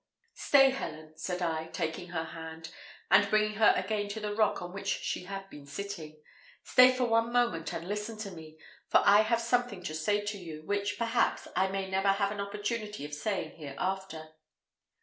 "Stay, Helen," said I, taking her hand, and bringing her again to the rock on which she had been sitting "stay for one moment, and listen to me; for I have something to say to you, which, perhaps, I may never have an opportunity of saying hereafter."